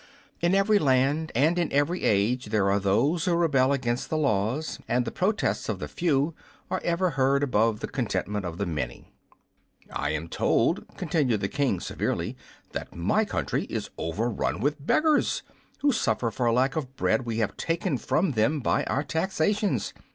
In every land and in every age there are those who rebel against the laws, and the protests of the few are ever heard above the contentment of the many." "I am told," continued the King, severely, "that my country is overrun with beggars, who suffer for lack of the bread we have taken from them by our taxations.